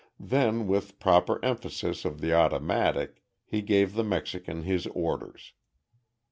Then, with proper emphasis of the automatic, he gave the Mexican his orders.